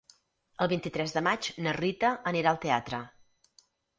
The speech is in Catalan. El vint-i-tres de maig na Rita anirà al teatre.